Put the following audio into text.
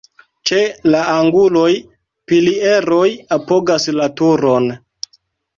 Ĉe la anguloj pilieroj apogas la turon.